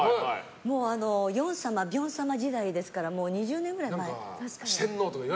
もうヨン様ビョン様時代ですから２０年ぐらい前。